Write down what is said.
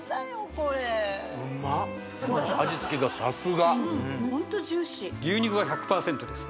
これ味付けがさすがうんホントジューシー牛肉が１００％です